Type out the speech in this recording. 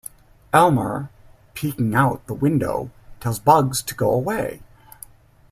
Elmer, peeking out the window, tells Bugs to go away.